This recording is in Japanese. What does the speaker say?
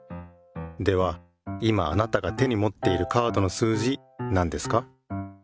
では今あなたが手にもっているカードの数字なんですか？